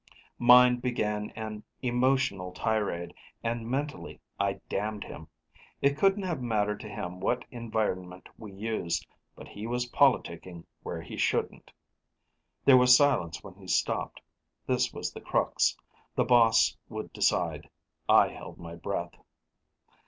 Mind began an emotional tirade, and mentally I damned him. It couldn't have mattered to him what environment we used, but he was politicking where he shouldn't. There was silence when he stopped. This was the crux; The Boss would decide. I held my breath.